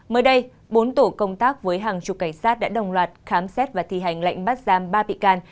mới đây bốn tổ công tác với hàng chục cảnh sát đã đồng loạt khám xét và thi hành lệnh bắt giam ba bị can